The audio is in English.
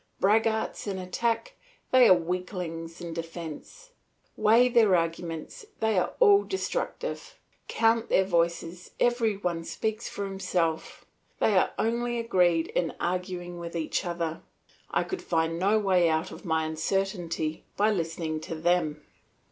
Braggarts in attack, they are weaklings in defence. Weigh their arguments, they are all destructive; count their voices, every one speaks for himself; they are only agreed in arguing with each other. I could find no way out of my uncertainty by listening to them.